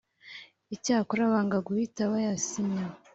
icyakora banga guhita bayasinya